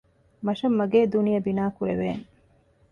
މަށަށް މަގޭ ދުނިޔެ ބިނާ ކުރެވޭނެ